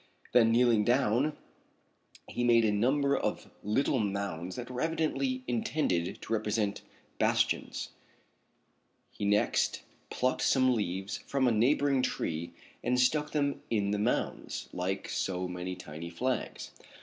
Then kneeling down he made a number of little mounds that were evidently intended to represent bastions. He next plucked some leaves from a neighboring tree and stuck them in the mounds like so many tiny flags.